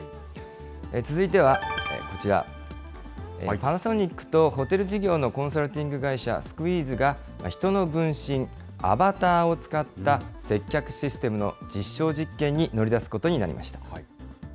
続いてはこちら、パナソニックとホテル事業のコンサルティング会社、ＳＱＵＥＥＺＥが、人の分身・アバターを使った接客システムの実証実験に乗り出すことになりました。